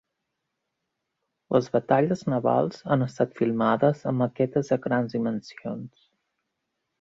Les batalles navals han estat filmades amb maquetes de grans dimensions.